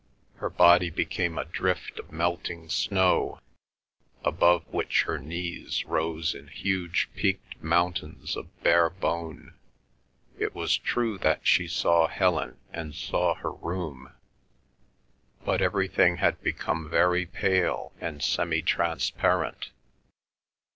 Her body became a drift of melting snow, above which her knees rose in huge peaked mountains of bare bone. It was true that she saw Helen and saw her room, but everything had become very pale and semi transparent.